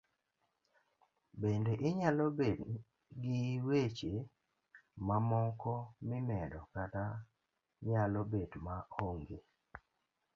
Bende inyalo bedo n gi weche mamoko mimedo kata nyalo bet ma onge.